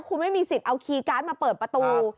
คุณไม่มีสิทธิ์เอาคีย์การ์ดมาเปิดประตู